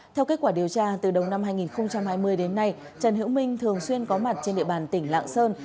theo kết quả điều tra từ đầu năm hai nghìn hai mươi đến nay trần hiễu minh thường xuyên có mặt trên địa bàn tỉnh lạng sơn